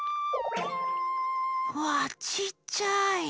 わあちっちゃい！